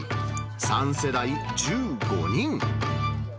３世代１５人。